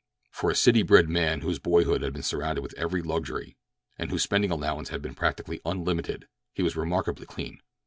For a city bred man whose boyhood had been surrounded with every luxury and whose spending allowance had been practically unlimited, he was remarkably clean.